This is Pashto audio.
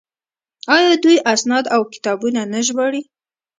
آیا دوی اسناد او کتابونه نه ژباړي؟